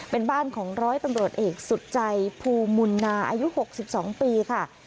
เป็นบ้านของร้อยตำรวจเอกสุดใจภูมินาอายุ๖๒ปีค่ะ